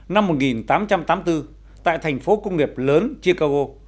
năm một nghìn tám trăm tám mươi bốn tại thành phố công nghiệp lớn chicago